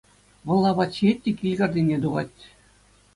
Вӑл апат ҫиет те килкартине тухать.